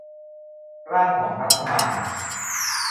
ร่างของรัฐบาล